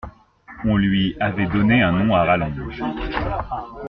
On lui avait donné un nom à rallonge.